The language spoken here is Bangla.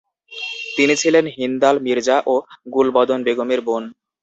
তিনি ছিলেন হিন্দাল মির্জা ও গুলবদন বেগমের বোন।